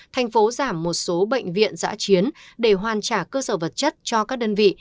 thành phố giảm một số bệnh viện giã chiến để hoàn trả cơ sở vật chất cho các đơn vị